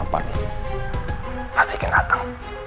apaan itu yang inscription